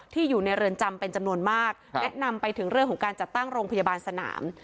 อยู่ในเรือนจำเป็นจำนวนมากแนะนำไปถึงเรื่องของการจัดตั้งโรงพยาบาลสนาม